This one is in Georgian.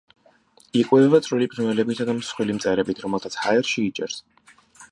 იკვებება წვრილი ფრინველებითა და მსხვილი მწერებით, რომელთაც ჰაერში იჭერს.